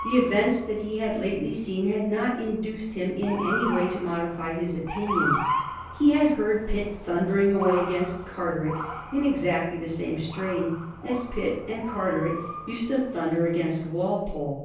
The events that he had lately seen had not in duced him in any way to modify his opinion. He had heard Pitt thundering away against Carteret in exactly the same strain as Pitt and Carteret used to thunder against Walpole.